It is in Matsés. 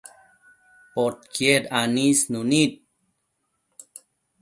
Podquied anisnu nid